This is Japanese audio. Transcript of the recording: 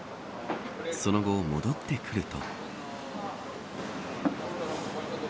その後、戻ってくると。